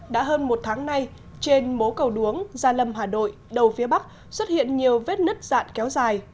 đã hơn một tháng nay trên mố cầu đuống gia lâm hà nội đầu phía bắc xuất hiện nhiều vết nứt dạn kéo dài